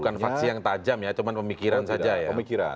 bukan faksi yang tajam ya cuma pemikiran saja ya pemikiran